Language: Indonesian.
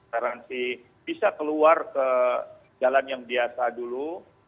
transisi bisa keluar ke jalan yang biasa dulu